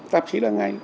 tạp chí đăng ngay